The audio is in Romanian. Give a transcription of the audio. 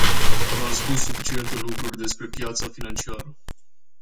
Am spus suficiente lucruri despre piața financiară.